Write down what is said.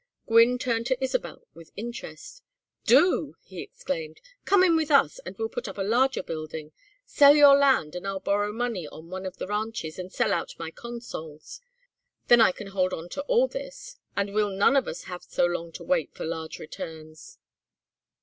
Gwynne turned to Isabel with interest. "Do!" he exclaimed. "Come in with us, and we'll put up a larger building. Sell your land and I'll borrow money on one of the ranches, and sell out my Consols. Then I can hold on to all this, and we'll none of us have so long to wait for large returns."